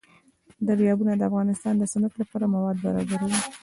دریابونه د افغانستان د صنعت لپاره مواد برابروي.